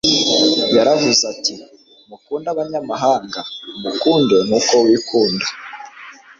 yaravuze ati: mukunde abanyamahanga. Umukunde nk'uko wikunda.»